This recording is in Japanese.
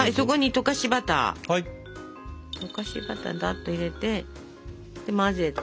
溶かしバターをダっと入れて混ぜて。